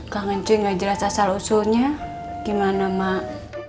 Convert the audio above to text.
kangen cuy nggak jelas asal usulnya gimana mak